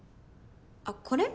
あっこれ？